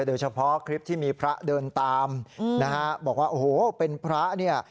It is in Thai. โดยเฉพาะคลิปที่มีพระเดินตามนะฮะบอกว่าโอ้โหเป็นพระเนี่ย